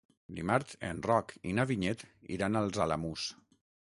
Dimarts en Roc i na Vinyet iran als Alamús.